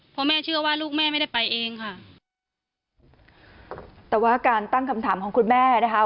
เพราะแม่เชื่อว่าลูกแม่ไม่ได้ไปเองค่ะ